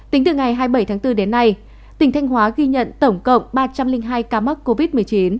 tính từ ngày hai mươi bảy tháng bốn đến nay tỉnh thanh hóa ghi nhận tổng cộng ba trăm linh hai ca mắc covid một mươi chín